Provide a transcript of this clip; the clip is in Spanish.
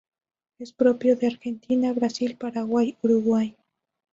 Es propio de Argentina, Brasil, Paraguay, Uruguay.